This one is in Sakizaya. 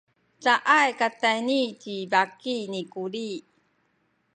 caay katayni ci baki ni Kuli.